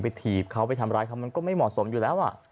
ถีบเขาไปทำร้ายเขามันก็ไม่เหมาะสมอยู่แล้ว